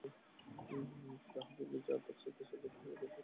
কিন্তু আহ্বায়ক মির্জা আব্বাস সদস্যসচিব হিসেবে সোহেলকে মেনে নিতে পারছিলেন না।